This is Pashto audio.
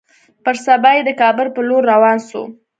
پر سبا يې د کابل پر لور روان سو.